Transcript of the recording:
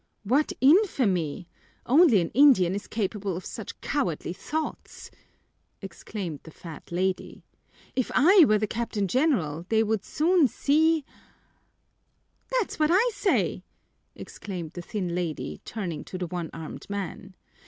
"What infamy! Only an Indian is capable of such cowardly thoughts," exclaimed the fat lady. "If I were the Captain General they would soon seem they would soon see " "That's what I say!" exclaimed the thin lady, turning to the one armed man.